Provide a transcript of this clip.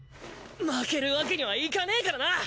負けるわけにはいかねえからな！